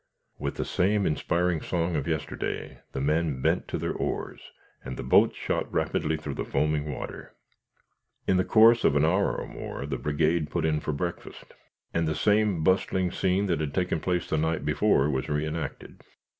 With the same inspiring song of yesterday, the men bent to their oars, and the boats shot rapidly through the foaming water. In the course of an hour or more, the brigade put in for breakfast, and the same bustling scene that had taken place the night before was re enacted.